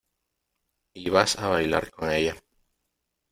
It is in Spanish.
y vas a bailar con ella .